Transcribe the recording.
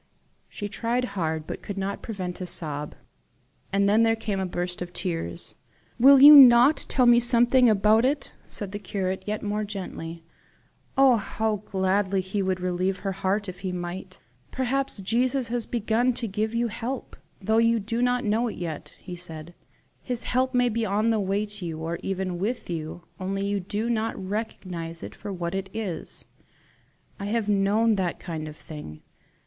She tried hard, but could not prevent a sob. And then came a burst of tears. "Will you not tell me something about it?" said the curate, yet more gently. Oh, how gladly would he relieve her heart if he might! "Perhaps Jesus has begun to give you help, though you do not know it yet," he said, "His help may be on the way to you, or even with you, only you do not recognize it for what it is. I have known that kind of thing.